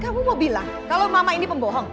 aku mau bilang kalau mama ini pembohong